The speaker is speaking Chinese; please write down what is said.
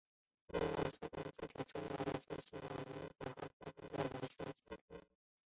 狄纳莫农村居民点是俄罗斯联邦伏尔加格勒州涅哈耶夫斯卡亚区所属的一个农村居民点。